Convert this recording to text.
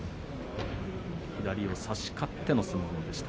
左を差し勝っての相撲でした。